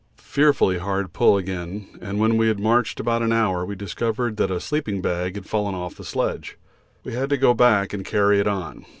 Fearfully hard pull again, and when we had marched about an hour we discovered that a sleeping bag had fallen off the sledge. We had to go back and carry it on.